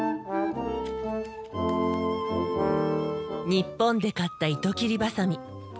日本で買った糸切りばさみ。